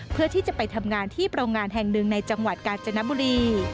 เพื่อที่จะไปทำงานที่โรงงานแห่งหนึ่งในจังหวัดกาญจนบุรี